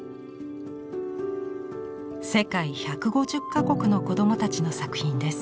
世界１５０か国の子どもたちの作品です。